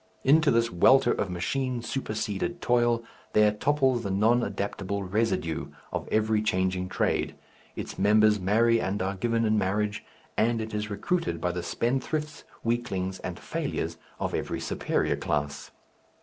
Into this welter of machine superseded toil there topples the non adaptable residue of every changing trade; its members marry and are given in marriage, and it is recruited by the spendthrifts, weaklings, and failures of every superior class.